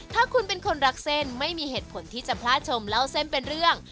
ถ้าคุณเป็นคนรักเส้นไม่มีเหตุผลที่จะพลาดชมเล่าเส้นเป็นเรื่อง